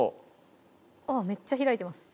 めっちゃ開いてます